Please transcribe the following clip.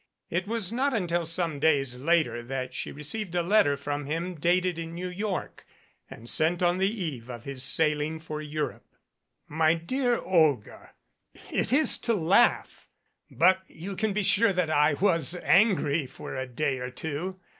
It was not until some days later that she received a letter from him dated in New York, and sent on the eve of his sailing for Europe. MY DEAR OLGA: It is to laugh ! But you can be sure that I was angry for a day or two.